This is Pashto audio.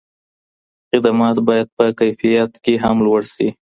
خدمات بايد په کيفيت کي هم لوړ سي.